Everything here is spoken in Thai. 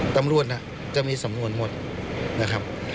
ตำรวจจะมีสำนวนหมดนะครับ